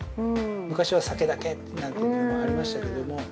昔は酒だけなんていうのもありましたけども。